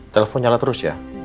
telepon nyala terus ya